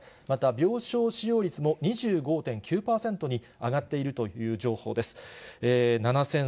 また、病床使用率も２５．９％に上がっているという情報です。